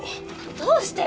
どうしてよ。